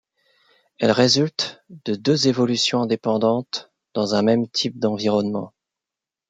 Elle résulte de deux évolutions indépendantes dans un même type d’environnement.